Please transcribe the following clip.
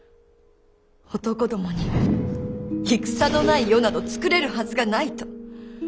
男どもに戦のない世など作れるはずがないと。